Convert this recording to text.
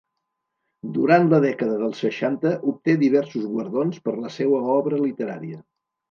Durant la dècada dels seixanta obté diversos guardons per la seua obra literària.